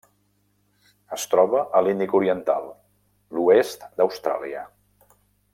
Es troba a l'Índic oriental: l'oest d'Austràlia.